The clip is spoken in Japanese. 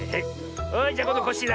じゃこんどコッシーだ。